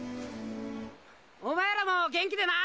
お前らも元気でな。